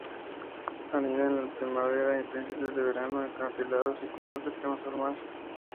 Anidan en primavera y principios de verano, en acantilados y cuevas cercanos al mar.